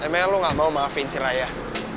emang lo gak mau maafin si rayah